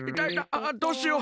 あっどうしよう。